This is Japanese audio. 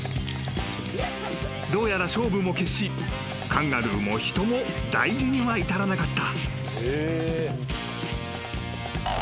［どうやら勝負も決しカンガルーも人も大事には至らなかった］